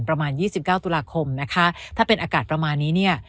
ประมาณ๒๙ตุลาคมนะคะถ้าเป็นอากาศประมาณนี้เนี่ย